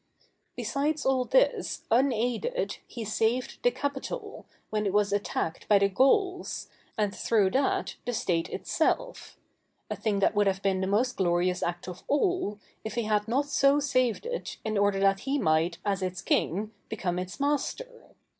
Besides all this, unaided, he saved the Capitol, when it was attacked by the Gauls, and through that, the state itself; a thing that would have been the most glorious act of all, if he had not so saved it, in order that he might, as its king, become its master.